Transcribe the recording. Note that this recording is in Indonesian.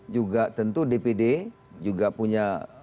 juga tentu dpd juga punya